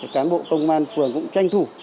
cán bộ công an phường cũng tranh thủ